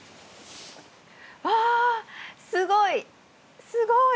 わあすごい！